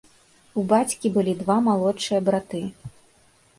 У бацькі былі два малодшыя браты.